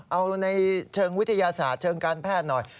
เอาในเชิงวิทยาศาสตร์เชิงการแพทย์หน่อย